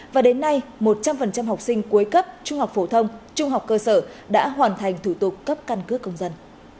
và đến nay một trăm linh học sinh cuối cấp trung học phổ thông trung học cơ sở đã hoàn thành thủ tục cấp căn cước công dân